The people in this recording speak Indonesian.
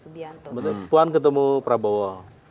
puan ketemu prabowo